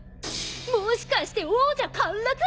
もしかして王者陥落！？